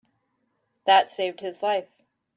That saved his life.